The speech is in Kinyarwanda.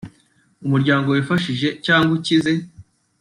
umuryango wifashije cyangwa ukize